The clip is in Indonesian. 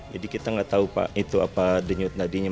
jadi kita nggak tahu apa denyut dadinya